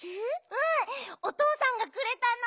うんおとうさんがくれたの。